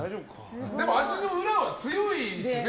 でも足の裏は強いんですよね